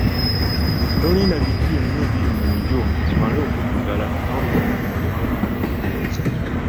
Tolinda bintu byonna ebiri mu nju bimale okuddugala noluvanyuma olyoke ojjukire okubyoza.